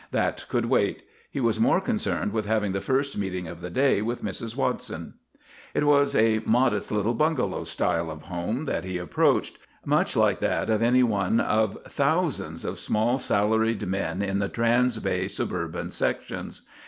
That could wait. He was more concerned with having the first meeting of the day with Mrs. Watson. It was a modest little "bungalow style" of home that he approached, much like that of any one of thousands of small salaried men in the transbay suburban sections.